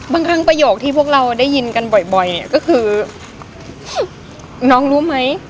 บางครั้งประโยคที่พวกเราได้ยินกันบ่อยก็คือน้องรู้ไหม